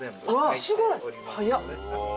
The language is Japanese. すごい！早っ！